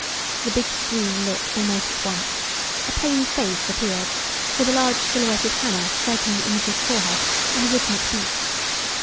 The big screen lit almost at once; a pained face appeared, with a large silhouetted hammer striking the image's forehead in a rhythmic beat.